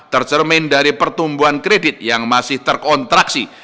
tercermin dari pertumbuhan kredit yang masih terkontraksi